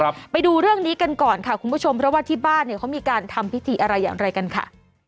ไปดูเรื่องนี้กันก่อนค่ะคุณผู้ชมเพราะว่าที่บ้านเนี่ยเขามีการทำพิธีอะไรอย่างไรกันค่ะ